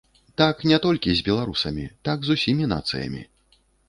Так не толькі з беларусамі, так з усімі нацыямі.